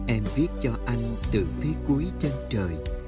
em viết cho anh từ phía cuối chân trời